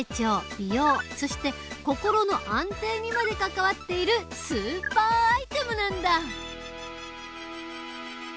美容そして心の安定にまで関わっているスーパーアイテムなんだ！